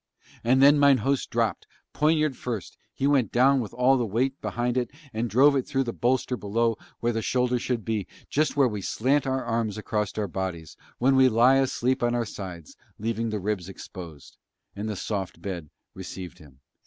And then mine host dropped; poniard first, he went down with all his weight behind it and drove it through the bolster below where the shoulder should be, just where we slant our arms across our bodies, when we lie asleep on our sides, leaving the ribs exposed: and the soft bed received him.